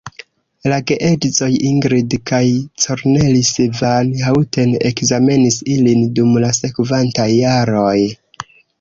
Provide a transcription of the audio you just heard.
La geedzoj Ingrid kaj Cornelis van Houten ekzamenis ilin dum la sekvantaj jaroj.